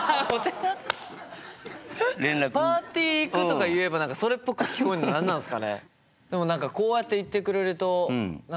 パーティー行くとか言えばそれっぽく聞こえるの何なんすかね。